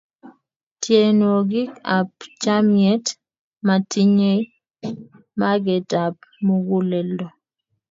tienwokik ap chamyet kotinyei maket ap mukuleldo